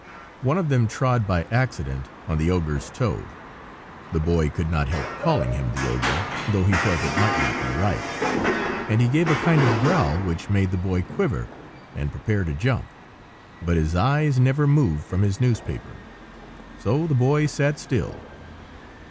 One of them trod, by accident, on the ogre's toe,—the Boy could not help calling him the ogre, though he felt it might not be right,—and he gave a kind of growl, which made the Boy quiver and prepare to jump; but his eyes never moved from his newspaper, so the Boy sat still.